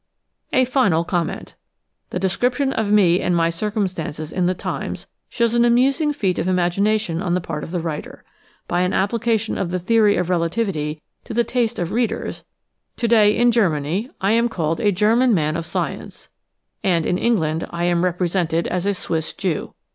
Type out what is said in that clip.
A final comment. The description of me and my cir cumstances in The Times shows an amusing feat of im agination on the part of the writer. By an application of the theory of relativity to the taste of readers, today in Germany I am called a German man of science, and in England I am represented as a Swiss Jew.